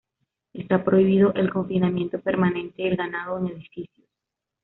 Está prohibido el confinamiento permanente del ganado en edificios.